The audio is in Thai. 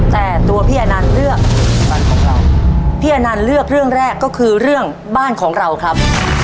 แต่ตัวพี่อนันต์เลือกวันของเราพี่อนันต์เลือกเรื่องแรกก็คือเรื่องบ้านของเราครับ